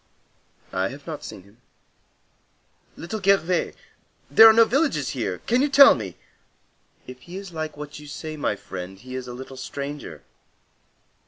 "I have not seen him." "Little Gervais? There are no villages here? Can you tell me?" "If he is like what you say, my friend, he is a little stranger.